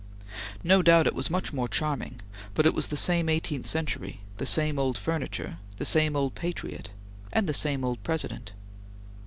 No doubt it was much more charming, but it was the same eighteenth century, the same old furniture, the same old patriot, and the same old President.